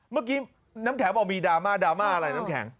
เมื่อกี้น้ำแข็งบอกมีดราม่าดราม่าอะไรน้ำแข็ง